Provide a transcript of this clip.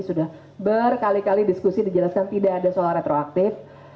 sudah berkali kali diskusi dijelaskan tidak ada soal retroaktif